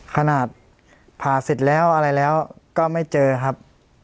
ขนาดผ่าเสร็จแล้วอะไรแล้วก็ไม่เจอครับ